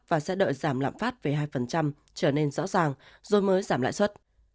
và sẽ đợi giảm lạm phát về hai trở nên rõ ràng rồi mới giảm lãi suất